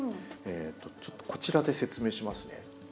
ちょっとこちらで説明しますね。